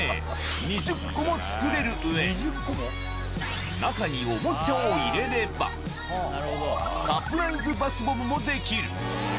２０個も作れるうえ、中におもちゃを入れれば、サプライズバスボムも出来る。